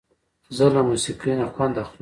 زه له موسیقۍ نه خوند اخلم.